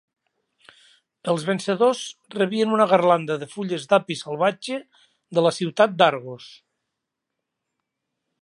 Els vencedors rebien una garlanda de fulles d'api salvatge de la ciutat d'Argos.